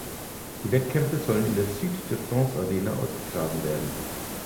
Die Wettkämpfe sollen in der Sud de France Arena ausgetragen werden.